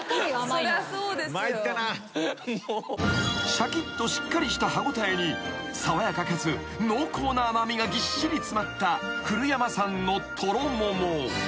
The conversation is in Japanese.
［しゃきっとしっかりした歯応えに爽やかかつ濃厚な甘味がぎっしり詰まった古山さんのとろもも］